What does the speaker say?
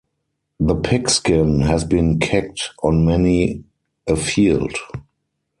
The pigskin has been kicked on many a field.